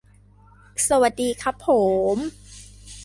สวัสดีครับโผม